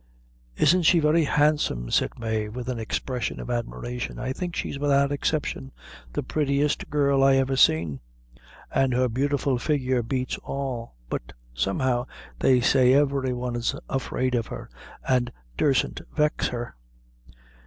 "Isn't she very handsome?" said Mave, with an expression of admiration. "I think she's without exception, the prettiest girl I ever seen; an' her beautiful figure beats all; but somehow they say every one's afraid of her, an' durstn't vex her."